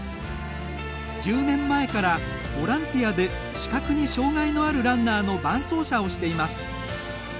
１０年前から、ボランティアで視覚に障がいのあるランナーの伴走者をしています。